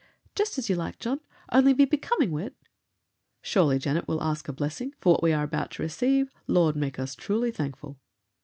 "Just as you like, John, only be becoming wi' it." "Surely, Janet, we'll ask a blessing. For what we are about to receive, Lord make us truly thankful."